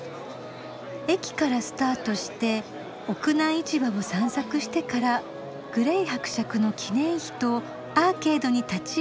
駅からスタートして屋内市場を散策してからグレイ伯爵の記念碑とアーケードに立ち寄って今はここ。